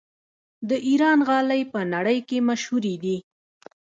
د ایران غالۍ په نړۍ کې مشهورې دي.